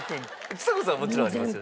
ちさ子さんはもちろんありますよね？